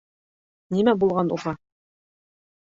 Нимә булған уға?